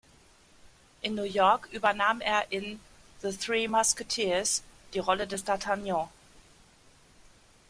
In New York übernahm er in "The Three Musketeers" die Rolle des D’Artagnan.